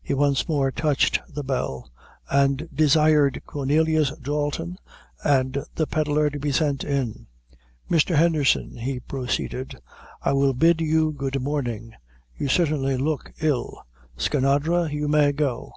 He once more touched the bell, and desired Cornelius Dalton and the Pedlar to be sent in. "Mr. Henderson," he proceeded, "I will bid you good morning; you certainly look ill. Skinadre, you may go.